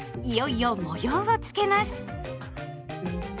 いよいよ模様をつけます。